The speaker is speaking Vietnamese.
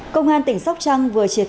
công an tỉnh sóc trăng vừa triệt thống